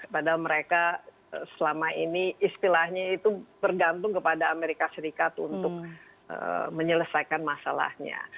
padahal mereka selama ini istilahnya itu bergantung kepada amerika serikat untuk menyelesaikan masalahnya